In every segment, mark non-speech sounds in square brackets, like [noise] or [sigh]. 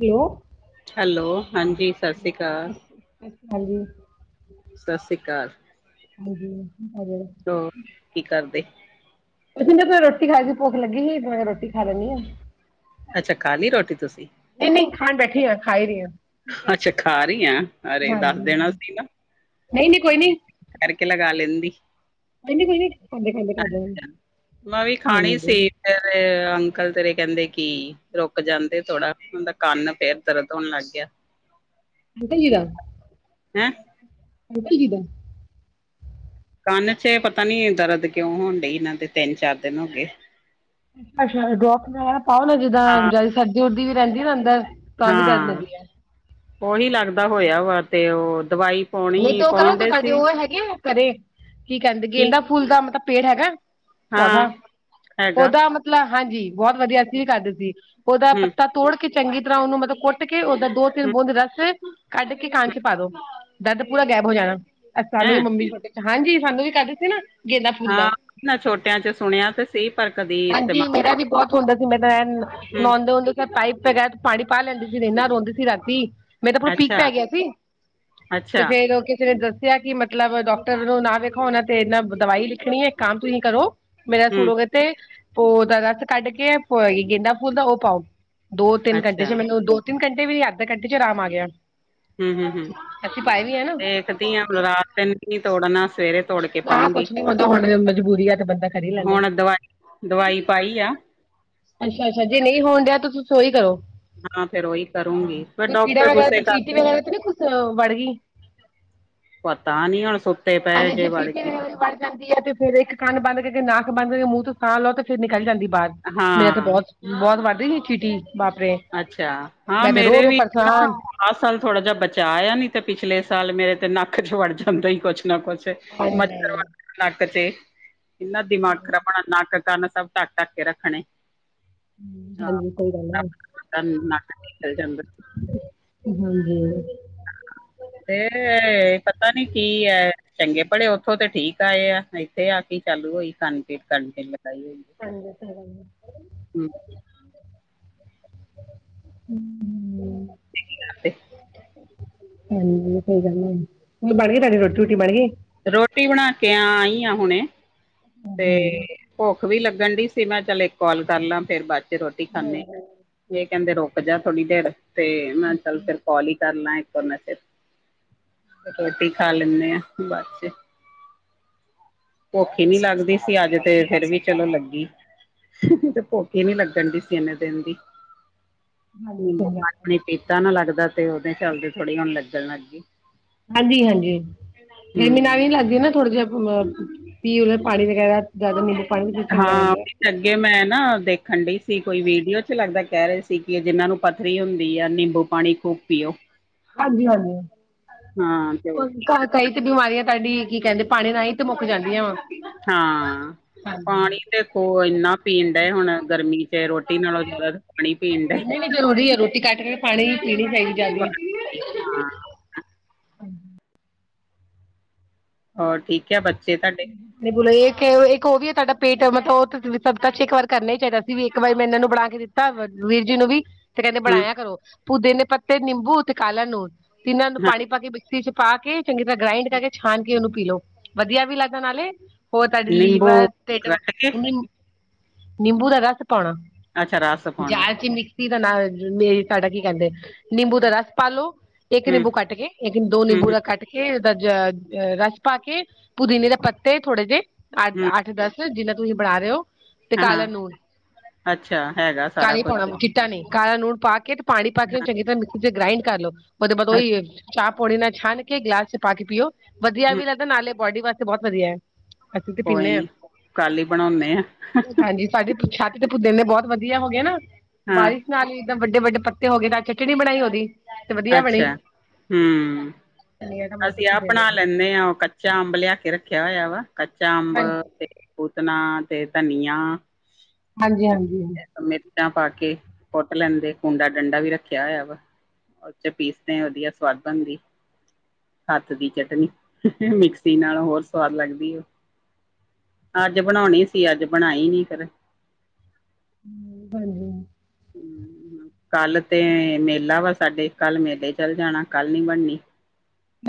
ਜੀ ਉਹ ਹੈਲੋ ਹਾਂਜੀ ਸਤਿ ਸ੍ਰੀ ਅਕਾਲ ਹਾਂਜੀ ਸਤਿ ਸ਼੍ਰੀ ਅਕਾਲ। ਹਾਂਜੀ ਕੀ ਕਰ ਰਹੇ ਹੋ। ਹੋਰ ਕੀ ਕਰਦੇ। ਕੁਝ ਨੀ ਮੈਂ ਤਾ ਰੋਟੀ ਖਾਧੀ ਸੀ ਭੁੱਖ ਲੱਗੀ ਹੀ ਤੇ ਮੈਂ ਰੋਟੀ ਖਾ ਲੈਨੀ ਆਂ। ਅੱਛਾ ਖਾ ਲਈ ਰੋਟੀ ਤੁਸੀਂ। ਇੰਨੀ ਖਾਣ ਬੈਠੀ ਆ ਖਾ ਰਹੇ ਆਂ। ਅੱਛਾ ਖਾ ਰਹੀ ਆਂ ਅਰੇ ਦੱਸ ਦੇਣਾ ਸੀ ਨਾ। ਨਹੀਂ-ਨਹੀਂ ਕੋਈ ਨੀ। ਠਹਿਰ ਕਰ ਕੇ ਲਗਾ ਰਹਿੰਦੀ। ਕੋਈ ਨਹੀਂ ਕੋਈ ਨਹੀਂ ਖਾਂਦੇ ਖਾਂਦੇ ਕਰ ਦਾਂਗੇ ਅੱਛਾ ਮੈਂ ਵੀ ਖਾਣੀ ਸੀ। ਹਾਂਜੀ ਫਿਰ ਅੰਕਲ ਤੇਰੇ ਕਹਿੰਦੇ ਕੀ ਰੁਕ ਜਾਂਦੇ ਥੋੜਾ ਉਨਦਾ ਕੰਨ ਫਿਰ ਦਰਦ ਹੋਣ ਲੱਗ ਗਿਆ। ਅੰਕਲ ਜੀ ਦਾ ਹੈਂ ਅੰਕਲ ਜੀ ਦਾ। ਕੰਨ ਚੇ ਪਤਾ ਨੀ ਦਰਦ ਕਿਉਂ ਹੋਣ ਡਈ ਇਹਨਾਂ ਦੇ ਤਿੰਨ ਚਾਰ ਦਿਨ ਹੋ ਗਏ। ਅੱਛਾ ਡਰੌਪ ਲ ਪਾਓ ਨਾ ਜਿੱਦਾਂ ਹਾਂ ਜਿਆਦੀ ਸਰਦੀ ਉਰਦੀ ਵੀ ਰਹਿੰਦੀ ਨਾ ਅੰਦਰ। ਤਾਂ ਵੀ ਦਰਦ ਹਾਂ ਹੁੰਦੀ ਹੈ ਉਹੀ ਲੱਗਦਾ ਹੋਇਆ ਵਾ ਤੇ ਉਹ ਦਵਾਈ ਨਹੀਂ ਪਾਉਣੀ ਤੇ ਉਹ ਕਰੋ ਪਾਉਣ ਤੂੰ ਡੇ ਤੁਹਾਡੇ ਸੀ ਉਹ ਹਾ ਹੈਗੇ ਹੈ ਘਰੇ ਕੀ ਕਹਿੰਦੇ ਕੀ ਗੇਂਦਾ ਫੂਲ ਦਾ ਮਤਲਬ ਪੇੜ ਹੈਗੈ। ਹਾਂ ਪੌਧਾਹ ਹੈਗਾ ਉਹਦਾ ਮਤਲਬ ਹਾਂਜੀ ਬਹੁਤ ਵਧੀਆ ਅਸੀਂ ਵੀ ਕਰਦੇ ਸੀ ਉਹਦਾ ਹੂੰ ਪੱਤਾ ਤੋੜ ਕੇ ਚੰਗੀ ਤਰ੍ਹਾਂ ਉਹਨੂੰ ਮਤਲਬ ਕੁੱਟ ਕੇ ਉਦਾਂ ਦੋ ਤਿੰਨ ਹੂੰ ਬੂੰਦ ਰਸ ਕੱਢ ਕੇ ਕੰਨ ਚ ਪਾ ਦੋ। ਦਰਦ ਪੂਰਾ ਗੈਬ ਹੋ ਜਾਣਾ ਸਾਨੂੰ ਵੀ ਹੈਂ ਮੰਮੀ ਛੋਟੇ ਹਾਂਜੀ ਸਾਨੂੰ ਵੀ ਕਰ ਦੇ ਸੀ ਨਾਂ। ਹਾਂ ਨਾ ਛੋਟਿਆਂ ਚ ਸੁਣਿਆ ਤੇ ਸੀ ਪਰ ਕਦੀ ਇਸਤੇਮਾਲ ਹਾਂਜੀ ਮੇਰਾ ਵੀ ਬਹੁਤ ਹੁੰਦਾ ਸੀ ਮੈਂ ਤਾਂ ਐਨ ਹੂੰ ਨਾਦੇ ਦੇ ਹੁੰਦੇ ਸੀ ਪਾਈਪ ਵਗੈਰਾ ਪਾਣੀ ਪਾ ਲੈਂਦੀ ਸੀ ਰੇਨਾ ਰੋਂਦੀ ਸੀ ਰਾਤੀ। ਮੈ ਤਾਂ ਪੂਰਾ ਪੀਕ ਅੱਛਾ ਪੈ ਗਿਆ ਸੀ ਤੇ ਅੱਛਾ ਫਿਰ ਉਹ ਕਿਸੇ ਨੇ ਦੱਸਿਆ ਕੀ ਮਤਲਬ ਡੌਕਟਰ ਨੂੰ ਨਾ ਵੇਖੋ ਉਹਨਾਂ ਤੇ ਇਨਾ ਦਵਾਈ ਲਿਖਣੀ ਏ ਕੰਮ ਤੁਸੀਂ ਕਰੋ ਮੇਰਾ ਹੂੰ ਸੁਣੋਗੇ ਤੇ ਉਹਦਾ ਰਸ ਕੱਢ ਕੇ ਪੋਈ ਗੇਂਦਾ ਫੂਲ ਦਾ ਉਹ ਪਾਓ। ਦੋ ਤਿੰਨ ਘੰਟੇ ਅੱਛਾ ਚ ਮੈਨੂੰ ਦੋ ਤਿੰਨ ਘੰਟੇ ਵੀ ਅੱਧ ਘੰਟੇ ਚ ਰਾਮ ਆ ਗਿਆ। ਹੂੰ ਹੂੰ ਹੂੰ ਅਸੀਂ ਪਾਏ ਵੀ ਹੈ ਨਾਂ। [unintelligible] ਰਾਤ ਤਿੰਨ ਵੀ ਨੀ ਤੋੜਨਾ ਸਵੇਰੇ ਤੋੜ ਕੇ ਹਾਂ ਪਾਊਂਗੀ ਕੁਛ ਨੀ ਹੁੰਦਾ ਹੁਣ ਮਜਬੂਰੀ ਆ ਤੇ ਬੰਦਾ ਕਰ ਹੀ ਲੈਂਦਾ ਹੁਣ ਦਵਾਈ-ਦਵਾਈ ਪਾਈ ਆ। ਅੱਛਾ ਅੱਛਾ ਜੇ ਨਹੀਂ ਹੋਣ ਦੇ ਤਾਂ ਤੁਸੀਂ ਸੋਰੀ ਕਰੋ। ਹਾਂ ਫੇਰ ਉਹੀ ਕਰੂੰਗੀ ਫਿਰ ਕੋਈ ਕੀੜਾ ਡਾਕਟਰ ਵਗੈਰਾ ਤੇ ਗੁੱਸੇ ਚੀਟੀ ਕਰਦੇ ਨੇ ਵਗੈਰਾ ਤੇ ਨਾ ਕੁੱਛ ਵੜ ਗਈ ਪਤਾ ਨੀ ਹੁਣ, ਸੁੱਤੇ ਪਏ ਹਾਂਜੀ ਜੇ ਵੜ ਚੀਟੀ ਕੇ ਵੜ ਜਾਂਦੀ ਐ, ਤੇ ਫੇਰ ਇੱਕ ਕੰਨ ਬੰਦ ਕੇ, ਨੱਕ ਬੰਦ, ਮੂੰਹ ਤੋਂ ਸਾਹ ਲਓ ਤੇ ਫੇਰ ਨਿਕਲ ਜਾਂਦੀ ਬਾਹਰ, ਮੇਰੇ ਤੇ ਹਾਂ ਬਹੁਤ ਬਹੁਤ ਵੱਧ ਰਈ ਸੀ, ਖਿਟੀ ਬਾਪਰੇ ਅੱਛਾ, ਹਾਂ ਮੈਂ ਤੇ ਰੋ ਮੇਰੇ ਰੋ ਵੀ ਨਾ ਪਰੇਸ਼ਾਨ ਓ ਆਹ ਸਾਲ ਥੋੜਾ ਜਿਹਾ ਬਚਾ ਆ ਨੀ, ਤੇ ਪਿਛਲੇ ਸਾਲ ਮੇਰੇ ਤੇ ਨੱਕ ਚ ਵੜ ਜਾਂਦਾ ਈ ਕੁਛ ਨਾ ਕੁਛ ਹਾਂਜੀ ਮੱਛਰ ਵੜ ਜਾਣਾ ਨੱਕ ਤੇ ਇਨਾ ਦਿਮਾਗ ਖਰਾਬ ਹੋਣਾ ਨੱਕ ਕੰਨ ਸਭ ਢੱਕ, ਢੱਕ ਕੇ ਰੱਖਣੇ ਹਾਂਜੀ, ਕੋਈ ਗੱਲ ਨਹੀਂ ਚਲ ਨੱਕ ਨਿਕਲ ਜਾਂਦਾ ਹਾਂ ਜੀ। ਫਿਰ ਇਹ ਪਤਾ ਨੀ ਕੀ ਐ, ਚੰਗੇ ਭਲੇ ਉੱਥੋਂ ਤੇ ਠੀਕ ਆਏ ਆ ਫੇਰ ਆ ਕੇ ਚਾਲੂ ਹੋਈ ਕੰਮ ਤੇ [inaudible] ਹਾਂਜੀ [inaudible] [inaudible] ਹੈ ਹਾਂਜੀ ਸਈ ਗੱਲ ਏ ਹੁਣ ਬਣੀ ਤੁਹਾਡੀ ਰੋਟੀ, ਰੂਟੀ ਬਣੀ ਰੋਟੀ ਬਣਾ ਕੇ ਆ ਆਈ ਆ ਹੁਣੇ ਤੇ ਭੁੱਖ ਵੀ ਲੱਗਣ ਡਈ ਸੀ, ਮੈਂ ਚੱਲ ਇੱਕ ਕਾਲ ਕਰ ਲਾਂ ਫੇਰ ਬਾਦ ਰੋਟੀ ਖਾਨੇ, ਐ ਕਹਿੰਦੇ ਰੁਕ ਜਾ ਥੋੜੀ ਦੇਰ ਤੇ ਮੈਂ ਚੱਲ ਫਿਰ ਕੋਲ ਹੀ ਕਰਨਾ ਏ ਕੋਲਾਂ ਚ ਰੋਟੀ ਖਾਂ ਲੈਂਨੇ ਆ ਬਸ, ਭੁਖ ਈ ਨੀ ਲੱਗਦੀ ਸੀ, ਅੱਜ ਤੇ ਫਿਰ ਵੀ ਚਲੋ ਲੱਗੀ, ਭੁੱਖੀ ਈ ਨੀ ਲੱਗਣ ਡਈ ਸੀ ਇੰਨੇ ਦਿਨ ਦੀ [unintelligible] ਲੱਗਦਾ ਤੇ ਓਦੇ ਚੱਲਦੇ ਥੋੜ੍ਹੀ ਹੁਣ ਲੱਗਣ ਲੱਗ ਗਈ ਹਾਂਜੀ-ਹਾਂਜੀ, ਇਹਦੇ ਨਾਲ ਹਮ ਨਹੀਂ ਲੱਗਦੀ ਨਾ ਥੋੜਾ ਜਿਹਾ ਪੀਣ ਪਾਣੀ ਵਗੈਰਾ। ਗਰਮੀ ਚ ਪਾਣੀ ਪੁੱਛਣ ਗਰਮ ਹਾਂ ਡਿਆ ਅੱਗੇ ਮੈਂ ਨਾ, ਦੇਖਣ ਡਈ ਸੀ ਕੋਈ ਵੀਡੀਓ ਚ ਲੱਗਦਾ ਕਹਿ ਰਹੇ ਸੀ ਕਿ ਇਹਦੇ ਨਾਲ ਪਥਰੀ ਹੁੰਦੀ ਆ ਨਿੰਬੂ ਪਾਣੀ ਖੂਬ ਪੀਓ ਹਾਂਜੀ-ਹਾਂਜੀ, ਹਾਂ ਤੇ ਕਈ ਤੇ ਬਿਮਾਰੀਆਂ ਤੁਹਾਡੀ, ਕੀ ਕਹਿੰਦੇ ਪਾਣੀ ਰਾਹੀਂ ਤੇ ਮੁੱਕ ਜਾਂਦੀਆਂ ਵਾ ਹਾਂ, ਹਾਂਜੀ ਪਾਣੀ ਦੇਖੋ ਹੁਣ ਇੰਨਾ ਪੀਣ ਡਏ, ਹੁਣ ਗਰਮੀ ਫਿਰ ਰੋਟੀ ਨਾਲੋਂ ਜ਼ਿਆਦਾ ਪਾਣੀ ਪੀਣ ਡਏ। ਨਹੀਂ ਨਹੀਂ ਜ਼ਰੂਰੀ ਐ ਰੋਟੀ ਕੱਟ ਕੇ ਪਾਣੀ ਪੀਣੀ ਚਾਹੀਦੀ ਜਾਦੀ ਇਹੋ ਹਾਂ ਹੋਰ ਠੀਕ ਐ ਬੱਚੇ ਤੁਹਾਡੇ? ਬੋਲੋ ਇਹ ਇੱਕ ਉਹ ਵੀ ਤੁਹਾਡਾ ਪੇਟ ਮਤਲਬ ਉਹ ਸਭਤਾ ਚ ਇੱਕ ਵਾਰ ਕਰਨਾ ਈ ਚਾਹੀਦਾ ਸੀ ਵੀ ਇੱਕ ਵਾਰ ਮੈਂ ਇਹਨਾਂ ਨੂੰ ਬਣਾ ਕੇ ਦਿੱਤਾ ਤਾਂ, ਵੀਰ ਜੀ ਨੂੰ ਵੀ ਤੇ ਹਮ ਬਣਾਇਆ ਕਰੋ, ਪੁਦੀਨੇ ਪੱਤੇ, ਨਿੰਬੂ ਤੇ ਕਾਲਾ ਲੂਨ, ਤਿਨਾ ਨੂੰ ਹਾਂ ਪਾਣੀ ਪਾ ਕੇ ਮਿਕਸੀ ਚ ਪਾ ਕੇ, ਚੰਗੀ ਤਰ੍ਹਾਂ ਗ੍ਰਾਇੰਡ ਕਰਕੇ ਛਾਣ ਕੇ ਉਹਨੂੰ ਪੀ ਲਓ ਵਧੀਆ ਵੀ ਲੱਗਦਾ ਨਾਲੇ ਓ ਤੁਹਾਡੇ ਲੀਵਰ, ਨਿੰਬੂ ਆ ਤੇਡ ਕੱਟ ਕੇ ਨਿੰਬੂ ਦਾ ਰਸ ਪਾਉਣਾ, ਅੱਛਾ ਰਸ ਪਾਉਣਾ ਜਾਲ ਚ ਮਿਕ ਮਿਕਸੀ ਦਾ ਨਾਂ ਤੁਹਾਡਾ ਕੀ ਕਹਿੰਦੇ ਨਿੰਬੂ ਦਾ ਰਸ ਪਾਲੋ, ਇੱਕ ਹਮ ਨਿੰਬੂ ਕੱਟ ਕੇ, ਦੋ ਹਮ ਹਮ ਨਿੰਬੂ ਦਾ ਕੱਟ ਕੇ ਇਹ ਜ ਜ਼ ਰਸ ਪਾ ਕੇ, ਪੁਦੀਨੇ ਦੇ ਪੱਤੇ ਥੋੜੇ ਜਿਹੇ ਅੱ ਹਮ ਅੱਠ ਦਸ, ਜਿੰਨਾ ਤੁਸੀਂ ਬਣਾ ਰਹੇ ਹੋ ਤੇ ਹਾਂ ਕਾਲਾ ਹਾਂ। ਲੂਨ, ਅੱਛਾ ਹੈਗਾ ਸਾਰਾ ਕਾਲ ਪਾਉਣਾ ਕੁਛ [unintelligible] ਕਾਲਾ ਲੂਣ ਪਾ ਕੇ ਤੇ ਪਾਣੀ ਪਾ ਕੇ ਹਾਂ ਚੰਗੀ ਤਰ੍ਹਾਂ ਮਿਕਸੀ ਚ ਗ੍ਰਾਇੰਡ ਕਰ ਲੋ ਓਦੇ ਬਾਦ ਅੱਛਾ ਓਈ ਚ ਪੌਣੀ ਨਾਲ ਛਣ ਕੇ ਗਲਾਸ ਚ ਪਾ ਕੇ ਪੀਓ, ਵਧੀਆ ਹੂੰ, ਵੀ ਲੱਗਦਾ ਨਾਲੇ ਬੋਡੀ ਵਾਸਤੇ ਬੋਤ ਵਧੀਆ ਐ ਕੋਈ ਨੀ, ਕੱਲ ਈ ਬਣਾਉਨੇ ਆ ਤੁਹਾਡੀ ਛੱਤ ਤੇ ਪੁਦੀਨੇ ਬੋਤ ਵਧੀਆ ਹੋ ਗਏ ਨਾ, ਹਾਂ ਬਾਰਿਸ਼ ਨਾਲ ਈ ਇਦੇ ਵੱਡੇ-ਵੱਡੇ ਪੱਤੇ ਹੋ ਗਏ ਨਾਲ ਚਟਨੀ ਬਣਾਈ ਓਦੀ ਅੱਛਾ ਹੂੰ, ਧਨੀਆ ਟਮਾਟਰ ਅਸੀਂ ਆਹ ਪੁਦੀਨੇ ਬਣਾ ਦੀ ਲੈਂਨੇ ਆ, ਉਹ ਕੱਚਾ ਅੰਬ ਲਿਆ ਕੇ ਰੱਖਿਆ ਹੋਇਆ ਵਾ ਕੱਚਾ ਅੰਬ। ਹਾਂਜੀ ਤੇ ਪੁੂਤਣਾ ਤੇ ਧਨੀਆ। ਹਾਂਜੀ, ਹਾਂਜੀ। ਮਿਰਚਾਂ ਪਾ ਕੇ ਕੁੱਟ ਲੈਂਦੇ, ਕੁੰਡਾ ਡੰਡਾ ਵੀ ਰੱਖਿਆ ਹੋਇਆ ਵਾ। ਉਹ ਚੇ ਪੀਸਦੇ ਵਧੀਆ ਸਵਾਦ ਬਣਦੀ। ਹੱਥ ਦੀ ਚਟਨੀ, ਮਿਕਸੀ ਨਾਲ ਹੋਰ ਸਵਾਦ ਲੱਗਦੀ ਐ। ਅੱਜ ਬਣਾਉਣੀ ਸੀ, ਅੱਜ ਬਣਾਈ ਨੀ ਫੇਰ ਹਾਂਜੀ। ਕੱਲ ਤੇ ਮੇਲਾ ਵਾ ਸਾਡੇ, ਕੱਲ ਮੇਲੇ ਚੱਲ ਜਾਣਾ ਕੱਲ ਨੀ ਬਣਨੀ।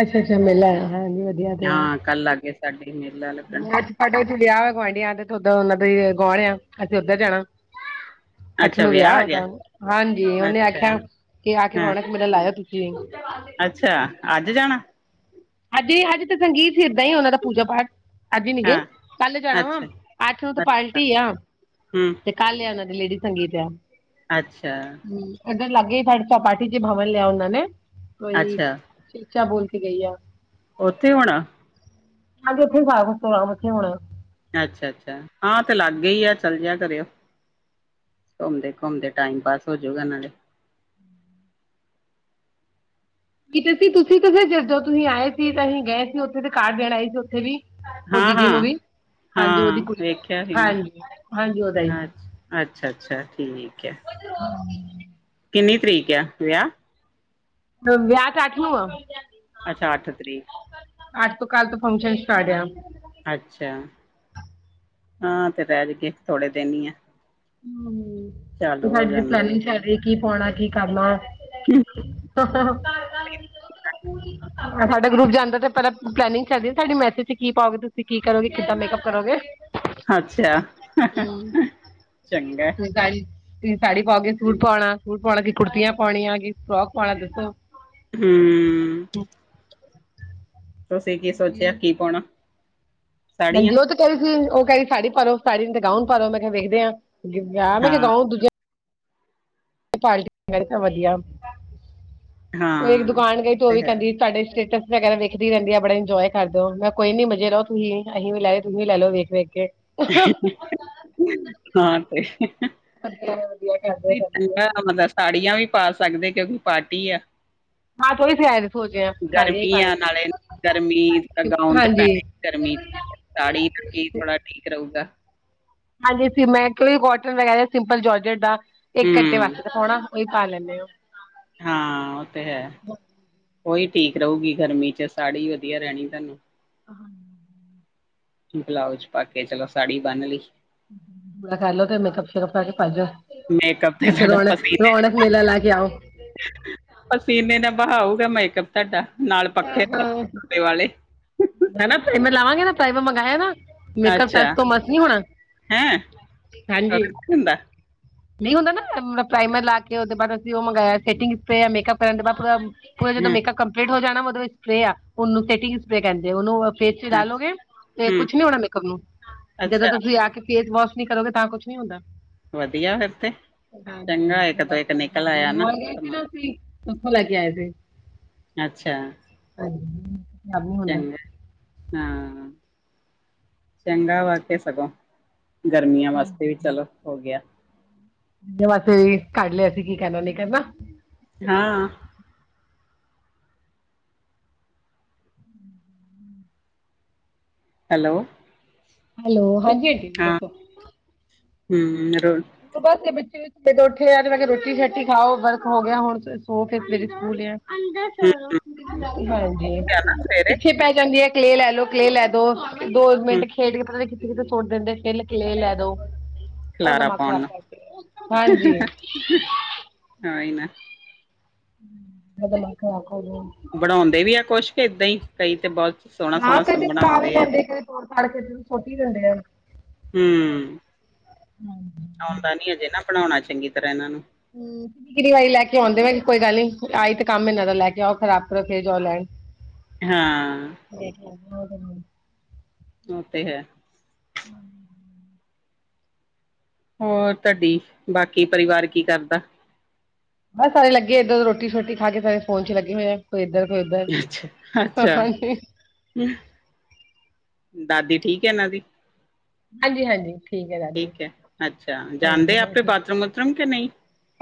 ਅੱਛਾ-ਅੱਛਾ ਮੇਲਾ ਹਾਂਜੀ। ਵਧੀਆ ਤੇ ਹਾਂ ਕੱਲ ਲੱਗ ਗਿਆ ਸਾਡੇ ਮੇਲਾ ਲੱਗਣ। ਸਾਡੇ ਉੱਥੇ ਵਿਆਹ ਵਾ ਗੁਆਂਢੀਆਂ ਤੇ ਥਦ ਉਹਨਾਂ ਦੇ ਗਾਣ ਆ ਅਸੀਂ ਉੱਧਰ ਜਾਣਾ। ਅੱਠ ਅੱਛਾ ਨੂੰ ਵਿਆਹ ਐ ਆ ਗਿਆ ਔਦਾ ਹਾਂਜੀ ਉਹਨੇ ਅੱਛਾ ਆਖਿਆ, ਕਿ ਆ ਕੇ ਹਾਂ ਰੋਣਾ ਮੇਰਾ ਲਾਇਆ ਤੁਸੀਂ ਅੱਛਾ ਅੱਜ ਜਾਣਾ? ਅੱਜ-ਅੱਜ, ਤੇ ਸੰਗੀਤ ਸਿਰ ਦਾ ਉਹਨਾਂ ਦਾ ਪੂਜਾ ਪਾਠ। ਅੱਜ ਨੀ ਗੇ ਹਾਂ ਕੱਲ ਜਾਣਾ ਵਾ ਅੱਛਾ ਅੱਠ ਨੂੰ ਤੇ ਅੱਛਾ ਪਾਰਟੀ ਐ। ਹਮ ਕੱਲ ਲਿਆ ਉਹਨਾਂ ਦੇ ਲੇਡੀਜ਼ ਸੰਗੀਤ ਐ। ਅੱਛਾ। ਹੂੰ ਇਧਰ ਲਾਗੇ ਤੁੇ ਸਪਾਠੀ ਚ ਭਵਨ ਲਿਆ ਉਹਨਾਂ ਨੇ ਕੋਈ। ਅੱਛਾ ਉੱਚਾ ਬੋਲ ਕੇ ਗਈ ਐ। ਉੱਥੇ ਹੋਣਾ। ਹਾਂਜੀ ਉੱਥੇ ਹੀ [unintelligible] ਉੱਥੇ ਹੋਣਾ। ਅੱਛਾ-ਅੱਛਾ, ਹਾਂ ਤੇ ਲਾਗੇ ਹੀ ਆ ਚੱਲ ਜੇ ਆ ਕਰਿਓ। ਘੁੰਮਦੇ-ਘੁੰਮਦੇ, ਟਾਈਮ ਪਾਸ ਹੋਜੂਗਾ ਨਾਲੇ। ਕਿਤੇ ਸੀ ਤੁਸੀਂ ਜਦੋਂ ਤੁਸੀਂ ਆਏ ਸੀ, ਤੇ ਅਸੀਂ ਗਏ ਸੀ ਉੱਥੇ ਤੇ ਕਾਰਡ ਲੈਣ ਆਏ ਸੀ ਉੱਥੇ ਵੀ ਉਹ ਦੀਦੀ ਹਾਂ-ਹਾਂ, ਨੂੰ ਹਾਂ ਵੀ ਹਾਂਜੀ ਹਾਂ ਉਹਦੀ ਕੁ ਵੇਖਿਆ ਸੀ ਨਾ। ਹਾਂਜੀ-ਹਾਂਜੀ ਓਦਾ ਈ। ਅੱਛ ਅੱਛਾ-ਅੱਛਾ ਠੀਕ ਐ ਹਾ, ਕਿੰਨੀ ਤਰੀਕ ਐ ਵਿਆਹ? ਵਿਆਹ ਤਾ ਅੱਠ ਨੂੰ ਆ। ਅੱਛਾ ਅੱਠ ਤਰੀਕ। ਅੱਠ ਤੋਂ ਕੱਲ ਤੋਂ ਫੰਕਸ਼ਨ ਸਟਾਟ ਆ। ਅੱਛਾ, ਹਾਂ ਤੇ [unintelligible] ਥੋੜ੍ਹੇ ਦਿਨ ਹੀ ਆ। ਹੂੰ ਤੇ ਚਾਲੂ ਹੋ ਸਾਡੀੇ ਜਾਂਦੇ ਪਲੈਨਿੰਗ ਚੱਲ ਰੀ ਐ, ਕੀ ਪਾਉਣਾ ਕੀ ਕਰਨਾ। ਸਾਡਾ ਗਰੁੱਪ ਜਾਂਦਾ ਤੇ ਪਹਿਲਾਂ ਪਲੈਨਿੰਗ ਚੱਲਦੀ ਸਾਡੀ ਮੈਸੇਜ ਚ ਕੀ ਪਾਓਗੇ ਤੁਸੀਂ ਕੀ ਕਰੋਗੇ, ਕਿੱਦਾਂ ਮੇਕਅਪ ਕਰੋਗੇ। ਅੱਛਾ ਹਮ, ਚੰਗਾ। ਤੁਸੀਂ ਸਾੜੀ ਤੁਸੀਂ ਸਾੜੀ ਪਾਓਗੇ ਸੂਟ ਪਾਉਣਾ ਸੂਟ ਪਾਉਣਾ ਕਿ ਕੁੜਤੀਆਂ ਪਾਉਣੀਆਂ ਕਿ ਫਰੋਕ ਪਾਉਣਾ ਦੱਸੋ। ਹੂੰ ਤੁਸੀਂ ਕੀ ਸੋਚੇਆ ਕੀ ਪੌਨਾ। ਹਾਂਜੀ ਓ ਤਾ ਕੈ ਰਈ ਸੀ ਓ ਕੈ ਰਈ ਸਾੜ ਪਾਲੋ ਸਾੜੀ ਤੇ ਗਾਊਨ ਪਾਲੋ ਮੈਂ ਕਿਆ ਵੇਖਦੇ ਆਂ। ਮੈਂ ਕਿਆ ਹਾਂ-ਹਾਂ ਗਾਊਨ ਦੂਜਾ ਪਾਰਟੀ ਵੀਅਰ ਤਾਂ ਵਦੀਆ ਓਈ ਇੱਕ ਦੁਕਾਨ ਗਈ ਤੇ ਓ ਵੀ ਕੈਂਦੀ ਸਾਡੇ ਸਟੇਟਸ ਵਗੈਰਾ ਵੇਖਦੀ ਰੈਂਦੀ ਆ ਬੜਾ ਇੰਜੋਏ ਕਰ ਦਿਓਂ ਮੈਂ ਕੋਈ ਨੀ ਮਜ਼ੇ ਲੋ ਤੁਸੀਂ ਅਸੀਂ ਵੀ ਲੈ ਰਏ ਤੁਸੀਂ ਵੀ ਲੈ ਲੋ ਵੇਖ-ਵੇਖ ਕੇ। ਹਾਂ ਤੇ ਵਧੀਆ ਵਧੀਆ ਕਰਦੇ ਹੋ ਨਈ ਸਾਨੂੰ। ਮਤਲਬ ਸਾੜੀਆਂ ਵੀ ਪਾ ਸਕਦੇ ਕਿਓਂਕਿ ਪਾਰਟੀ ਐ। ਹਾਂ ਤੋਂ ਹੀ ਸਿਆਏ ਸੋਚ ਰਹੇ ਹਾਂ ਸਾੜੀਆਂ ਹੀ ਗਰਮੀ ਪਾ ਆ ਲੈਂਦੇ ਨਾਲੇ ਗਰਮੀ ਚ ਤਾਂ ਹਾਂ ਗੌਨ ਤਾ ਹਾਂਜੀ ਪੈਨੇ ਨੀ। ਗਰਮੀ ਚ ਸਾੜੀ ਕੀ ਥੋੜਾ ਠੀਕ ਰਊਗਾ। ਹਾਂਜੀ ਸੀ ਮੈਂ ਕਿਆ ਵੀ ਕੋਟਨ ਵਗੈਰਾ ਸਿੰਪਲ ਜੋਰਜਟ ਦਾ ਇੱਕ ਹੂੰ ਵੱਖ ਦਿਖੌਨਾ ਓਈ ਪਾ ਲੈਂਨੇ ਓਂ। ਹਾਂ ਓ ਤੇ ਹੈ, ਓਈ ਠੀਕ ਰਉਗੀ ਗਰਮੀ ਚ ਸਾੜੀ ਵਦੀਆ ਰੈਨੀ ਤਾਨੂੰ। ਹਾਂ। ਬਲਾਊਜ ਪਾ ਕੇ ਚਲੋ ਸਾੜੀ ਬੰਨਲੀ। ਮੈ ਕਿਆ ਕਰਲੋ ਤੇ ਮੇਕਅਪ ਸ਼ੇਕੱਪ ਕਰਕੇ ਭਾਜੋ। ਮੇਕਅਪ ਤੇ ਓਥੇ ਤੁਹਾਡਾ ਪਸੀਨੇ ਰੌਨਕ-ਰੌਨਕ ਮੇਲਾ ਲਾ ਕੇ ਆਓ। ਪਸੀਨੇ ਨਾਲ ਬਹਾਊਗਾ ਮੇਕਅਪ ਤਾਡਾ ਨਾਲ ਪੱਖੇ ਦਾ ਵਾਲੇ ਹਨਾ ਪਰਾਈਮਰ ਲਾਵਾਂਗੀ ਨਾ ਪਰਾਈਮਰ ਮੰਗਾਇਆ ਨਾ। ਮੇਕਅਪ ਟਸ ਅੱਛਾ ਤੋਂ ਮਸ ਨੀ ਹੋਨਾ, ਹਾਂਜੀ। ਹੁੰਦੈ। ਨਈ ਹੁੰਦਾ ਨਾ ਮਬ ਪ੍ਰਾਈਮਰ ਲਾ ਕੇ ਓਦੇ ਬਾਦ ਅਸੀਂ ਓ ਮੰਗਾਇਆ ਸੈਟਿੰਗ ਸਪਰੇਅ ਮੇਕਅਪ ਕਰਨ ਦੇ ਬਾਦ ਪੂਰਾ ਪੂਰਾ ਜਦੋਂ ਹੂੰ ਮੇਕਅਪ ਕੰਪਲੀਟ ਹੋ ਜਾਨਾ ਵਾ ਓਦੋਂ ਸਪਰੇਅ ਆ ਓਨੂੰ ਸੈੱਟਿੰਗ ਸਪਰੇਅ ਕੈਂਦੇ ਓਨੂੰ ਫੇਸ ਚ ਅੱਛਾ ਲਾਲੋਗੇ ਤੇ ਹੂੰ ਕੁੱਛ ਨੀ ਹੋਨਾ ਮੇਕਅਪ ਨੂੰ, ਜਦੋਂ ਅੱਛਾ ਤੋ ਤੁਸੀਂ ਆ ਕੇ ਫੇਸ ਵੋਸ਼ ਨੀ ਕਰੋਗੇ ਤਾਂ ਕੁੱਛ ਨੀ ਹੁੰਦਾ। ਵਦੀਆ ਫਿਰ ਤੇ ਚੰਗਾ ਇੱਕ ਹਾਂਜੀ ਤੋਂ ਇੱਕ ਲੈਕੇ ਆਏ ਨਿਕਲ ਹਾਂਜੀ ਆਇਆ ਨਾ ਮੋਲ਼ ਗਏ ਸੀ ਨਾ ਸਮਾਨ ਅਸੀਂ ਓਥੋਂ ਲੈ ਕੇ ਆਏ ਸੀ। ਅੱਛਾ। ਹਾਂਜੀ। ਨਹੀਂ ਹੁੰਦਾ ਚੰਗਾ ਹਾਂ ਚੰਗਾ ਵਾ ਕੇ ਸਗੋਂ ਗਰਮੀਆਂ ਵਾਸਤੇ ਵੀ ਚਲੋ ਹੋ ਗੇਆ। ਜਾ ਵੈਸੇ ਕਰ ਲਿਆ ਅਸੀ ਕੀ ਕਰਨਾ ਨਈ ਕਰਨਾ। ਹਾਂ। ਹੈਲੋ। ਹੈਲੋ ਹਾਂਜੀ ਆਂਟੀ ਜੀ ਦੱਸੋ। ਹੂੰ-ਹੂੰ ਰੋਨ ਤੋ ਬਾਦ ਦੇ ਬੱਚੇ ਸੁੱਤੇ ਤੋ ਉੱਠੇ ਐ ਤੇ ਮੈਂ ਕਿਆ ਰੋਟੀ ਸ਼ੋਟੀ ਖਾਓ ਵਰਕ ਹੋ ਗਿਆ ਹੁਨ ਸੋ ਫੇਰ ਸਵੇਰੇ ਸਕੂਲ ਐ। ਅੰਦਰ ਚਲੋ ਭੈਨ ਜੀ ਜਾਣਾ ਸਵੇਰੇ ਪਿੱਛੇ ਪੈ ਜਾਂਦੀ ਐ। ਕਲੇਅ ਲੈਲੋ ਕਲੇਅ ਲੈ ਦੋ, ਦੋ ਹਮ ਮਿੰਟ ਖੇਡ ਕੇ ਪਤਾ ਨੀ ਕਿ ਥੇ ਕਿਤੇ ਸੁੱਟ ਦਿੰਦੇ [unintelligible] ਕਲੇ ਲੇਦੋ। ਖਲਾਰਾ ਪੋਨ ਹਾਂਜੀ ਨਾਲ, ਕੋਈ ਨਾ। [inaudible] ਬਨੋਂਦੇ ਵੀ ਆ ਕੁੱਛ ਕੇ ਏਦਾਂ ਈ ਕਈ ਤੇ ਬੋਤ ਨਾ ਸੋਨਾ-ਸੋਨਾ ਕਦੇ ਪੜਾ ਵੀ ਬਨੌਂਦੇ ਲੈਂਦੇ ਕਦੇ ਤੋੜ ਫਾੜ ਕੇ ਸੋਟੀ ਦਿੰਦੇ ਆ। ਹੂੰ। ਹਾਂਜੀ। ਔਂਦਾ ਨੀ ਅਜੇ ਨਾ ਬਣਾਣਾ ਚੰਗੀ ਤਰ੍ਹਾਂ ਏਨਾਂ ਨੂੰ। ਹੂੰ। ਕਿੰਨੀ ਵਾਰੀ ਲੈ ਕੇ ਔਂਦੇ ਮੈਂ ਕਿਆ ਕੋਈ ਗੱਲ ਨੀ ਆਈ ਤੇ ਕੰਮ ਏਨਾਂ ਦਾ ਲੈ ਕੇ ਆਓ ਖਰਾਬ ਕਰੋ ਫੇਰ ਜਾਓ ਲੈਣ। ਹਾਂ। [inaudible] ਓ ਤੇ ਹੈ। [unintelligible] ਹੋਰ ਤੁਆਡੀ ਬਾਕੀ ਪਰਿਵਾਰ ਕੀ ਕਰਦਾ? ਬਸ ਸਾਰੇ ਲੱਗੇ ਏਧਰ ਰੋਟੀ ਸ਼ੋਟੀ ਖਾ ਕੇ ਸਾਰੇ ਫੋਨ ਚ ਲਗੇ ਹੋਏ ਐ। ਕੋਈ ਏਧਰ, ਕੋਈ ਅੱਛਾ ਏਧਰ ਅੱਛਾ ਹਾਂਜੀ। ਦਾਦੀ ਠੀਕ ਐ ਏਨਾਂ ਦੀ? ਹਾਂਜੀ-ਹਾਂਜੀ ਠੀਕ ਐ ਦਾਦੀ। ਅੱਛਾ ਜਾਣਦੇ ਆਪੇ ਬਾਥਰੂਮ ਵਥਰੂਮ ਕਿ ਨਹੀਂ?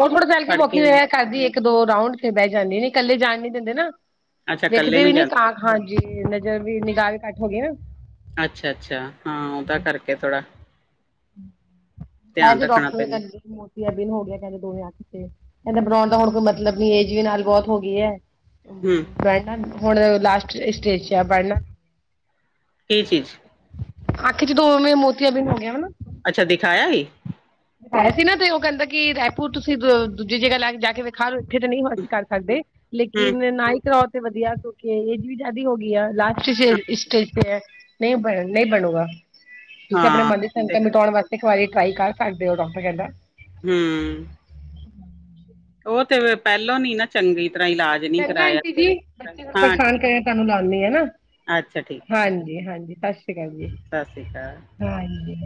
ਓ ਥੋੜਾ ਚੱਲ ਕੇ ਫੜ ਵੋਕਿੰਗ ਜਾਣ ਵਗੈਰਾ ਕਰਦੀ ਏ ਏਕ-ਦੋ ਰਾਊਡ ਤੇ ਬੈ ਜਾਦੀ ਨੀ ਕੱਲੇ ਜਾਣ ਨੀ ਦਿੰਦੇ ਨਾ। ਅੱਛਾ ਕੱਲੇ ਵੇਖਦਾ ਨੀ ਵੀਨੀ ਜਾਂਦੇ ਤਾਂ ਹਾਂਜੀ ਨਜਰ ਵੀ ਨਿਗਾਹ ਵੀ ਘੱਟ ਹੋ ਗਈ ਨਾ। ਅੱਛਾ-ਅੱਛਾ ਹਾਂ ਓਦਾ ਕਰਕੇ ਥੋੜ੍ਹਾ ਹੈ ਜੇ ਰੱਖਣਾ ਡਕਟਰ ਪੈਂਦਾ [unintelligible] ਨ ਹੋ ਗਿਆ ਕੇਦੇ ਦੋਵੇ ਅ ਤੇ ਕੇਦੇ ਬਣੋਣ ਤਾਂ ਹੁਣ ਕੋਈ ਮਤਲਬ ਨੀ ਏਜ ਵੀ ਨਾਲ ਬੋਤ ਹੋ ਗਈ ਏ। ਹੂੰ। ਬਹਿਣਾ ਹੁਣ ਲਾਸਟ ਸਟੇਜ 'ਚ ਆ ਪੜਨਾ ਕੀ ਚੀਜ਼? ਆਖ ਚ ਦੋਵੇ ਮੋਤੀਆ ਬੀਨ ਹੋ ਗਿਆ ਨਾ ਅੱਛਾ ਦਿਖਾਇਆ ਹੀ ਹੈ ਸੀ ਨਾ ਤੇ ਓ ਕੇਦਾ ਕਿ ਰਾਏਪੁਰ ਤੁਸੀ ਦੂਜੀ ਜਗਾ ਲਾ ਜਾ ਕੇ ਰਰ ਕਿਤੇ ਤਾਂ ਨਈ ਹੋ ਅਸੀ ਕਰ ਸਕਦੇ ਹੂੰ ਲੇਕਿਨ ਨਾ ਹੀ ਕਰਾਓ ਤੇ ਵਧੀਆ। ਏਜ ਵੀ ਜਾਦੀ ਹੋ ਗਈ ਆ ਲਾਸਟ ਸਟੇਜ ਤੇ ਐ। ਨਈ ਬਣ ਨਈ ਬਣੂਗਾ, ਤੁਸੀਂ ਆਪਣੇ ਹਾਂ ਮਨ ਦੀ ਸੰਤ ਤੇ ਮਿਟਾਉਣ ਵਾਸਤੇ ਏਕ ਵਾਰੀ ਟਰਾਈ ਕਰ ਛੱਡ ਦਿਓ ਓ ਡਾਕਟਰ ਕੇਦਾ ਹੂੰ। ਓ ਤੇ ਫੇਰ ਪੈਲੋਂ ਨੀ ਨਾ ਚੰਗੀ ਤਰ੍ਹਾਂ ਇਲਾਜ ਨੀ ਚੰਗਾ ਕਰਾਇਆ ਆਂਟੀ ਜੀ ਬੱਚੇ ਨੂੰ ਹਾਂ ਪਰੇਸ਼ਾਨ ਠੀਕ ਕਰ ਤੁਆਨੂੰ ਲਾਦੀ ਆ ਨਾ ਅੱਛਾ ਠੀਕ ਹਾਂਜੀ- ਹਾਂਜੀ ਸਤਿ ਸ੍ਰੀ ਅਕਾਲ ਜੀ ਸਤਿ ਸ੍ਰੀ ਅਕਾਲ ਹਾਜੀ